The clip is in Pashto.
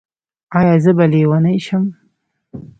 ایا زه به لیونۍ شم؟